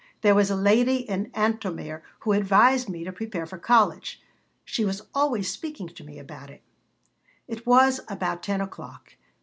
There was a lady in Antomir who advised me to prepare for college. She was always speaking to me about it." It was about 10 o'clock.